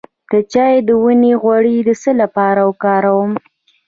د چای د ونې غوړي د څه لپاره وکاروم؟